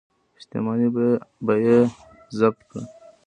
شتمني به یې ضبط کړه.